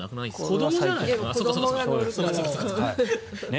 子どもじゃないか？